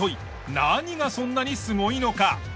何がそんなにすごいのか。